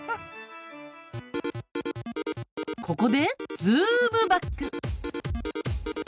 ここでズームバック。